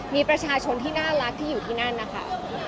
มีประชาชนที่น่ารักที่อยู่ที่นั่นนะคะ